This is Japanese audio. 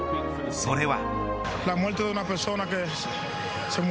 それは。